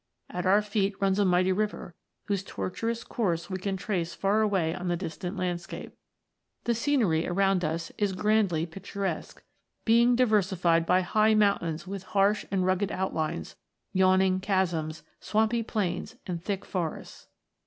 At our feet runs a mighty river, whose tortuous course we can trace far away on the distant land scape. The scenery around us is grandly pictu resque, being diversified by high mountains with harsh and rugged outlines, yawning chasms, swampy plains, and thick forests.